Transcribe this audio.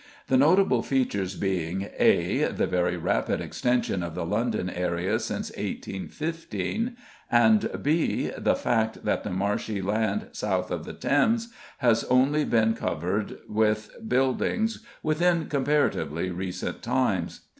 The notable features being (a) the very rapid extension of the London area since 1815, and (b) the fact that the marshy land south of the Thames has only been covered with buildings within comparatively recent times.